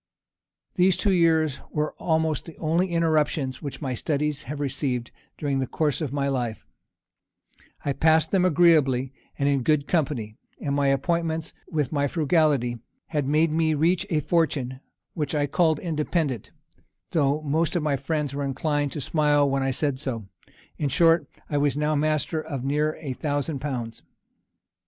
These two years were almost the only interruptions which my studies have received during the course of my life: I passed them agreeably, and in good company; and my appointments, with my frugality, had made me reach a fortune which I called independent, though most of my friends were inclined to smile when I said so: in short, I was now master of near a thousand pounds.